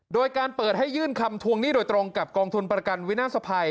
โดยการเปิดให้ยื่นคำทวงหนี้โดยตรงกับกองทุนประกันวินาศภัย